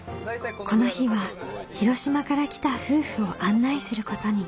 この日は広島から来た夫婦を案内することに。